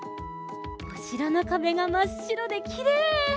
おしろのかべがまっしろできれい！